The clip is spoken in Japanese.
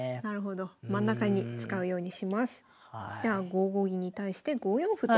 じゃあ５五銀に対して５四歩と。